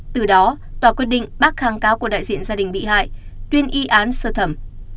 từ đó tòa quyết định bác kháng cáo của đại diện gia đình bị hại tuyên y án sơ thẩm